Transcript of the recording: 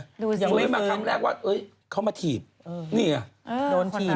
ดูไว้มาครั้งแรกว่าเขามาถีบนี่ไง